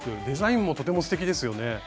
デザインもとてもすてきですよね。